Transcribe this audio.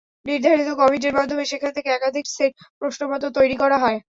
নির্ধারিত কমিটির মাধ্যমে সেখান থেকে একাধিক সেট প্রশ্নপত্র তৈরি করা হয়।